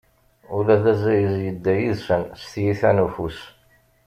Ula d azayez yedda yid-sen s tyita n ufus.